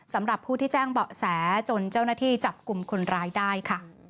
สำหรับผู้ที่แจ้งเบาะแสจนเจ้าหน้าที่จับกลุ่มคนร้ายได้ค่ะ